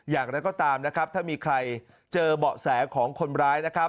อย่างนั้นก็ตามถ้ามีใครเจอเบาะแสของคนร้าย